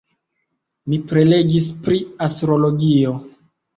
Mi prelegis pri Astrologio.